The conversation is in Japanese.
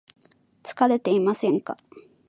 疲れていませんか